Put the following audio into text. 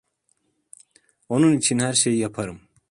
Onun için her şeyi yaparım.